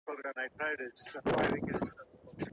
که د کلي مشران ځوانان وهڅوي، نو کارونه نه ځنډیږي.